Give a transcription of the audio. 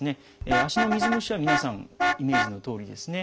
足の水虫は皆さんイメージのとおりですね